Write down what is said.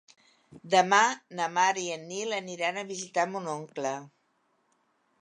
Demà na Mar i en Nil aniran a visitar mon oncle.